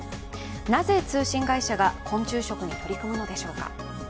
なぜ通信会社が昆虫食に取り組むのでしょうか。